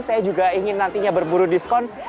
saya juga ingin nantinya berburu diskon